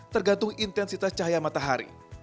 tergantung intensitas cahaya matahari